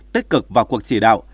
tích cực và cuộc chỉ đạo